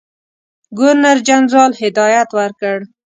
ګورنرجنرال هدایت ورکړ.